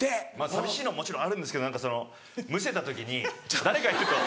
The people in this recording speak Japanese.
寂しいのはもちろんあるんですけど何かそのむせた時に誰かいると。